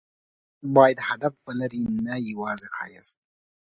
هر افکت باید هدف ولري، نه یوازې ښایست.